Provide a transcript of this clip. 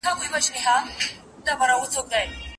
پلار زوی ته وويل چي بازار ته ولاړ سي.